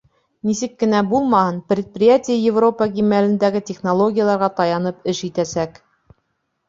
Нисек кенә булмаһын, предприятие Европа кимәлендәге технологияларға таянып эш итәсәк.